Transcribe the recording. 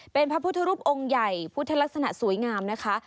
เป็นพระพุทธรูปองค์ใหญ่พุทธลักษณะสวยงามนะคะ